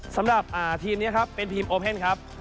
สำหรับทีมนี้ครับเป็นทีมโอเพ่นครับ